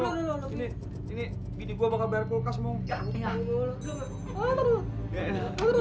ini ini ini gini gua bakal bayar kulkas mau